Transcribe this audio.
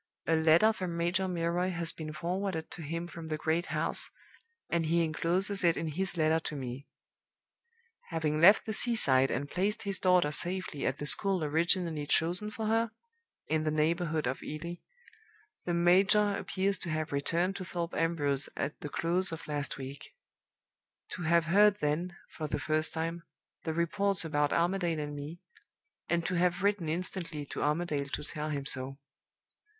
A letter from Major Milroy has been forwarded to him from the great house, and he incloses it in his letter to me. "Having left the seaside, and placed his daughter safely at the school originally chosen for her (in the neighborhood of Ely), the major appears to have returned to Thorpe Ambrose at the close of last week; to have heard then, for the first time, the reports about Armadale and me; and to have written instantly to Armadale to tell him so.